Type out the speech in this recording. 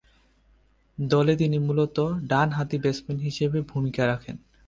দলে তিনি মূলতঃ ডানহাতি ব্যাটসম্যান হিসেবে ভূমিকা রাখেন।